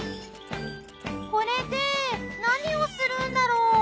これで何をするんだろう？